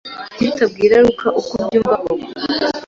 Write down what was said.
Kuki utabwira Luka uko ubyumva koko?